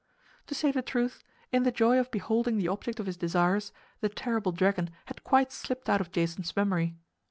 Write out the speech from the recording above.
To say the truth, in the joy of beholding the object of his desires, the terrible dragon had quite slipped out of Jason's memory.